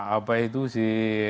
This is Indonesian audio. apa itu si